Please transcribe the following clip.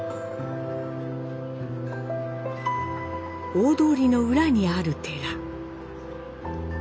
大通りの裏にある寺。